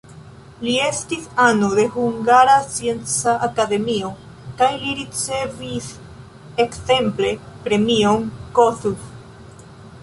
Li estis ano de Hungara Scienca Akademio kaj li ricevis ekzemple premion Kossuth.